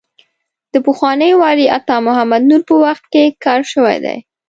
د پخواني والي عطا محمد نور په وخت کې کار شوی دی.